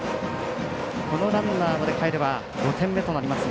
このランナーまでかえれば５点目となりますが。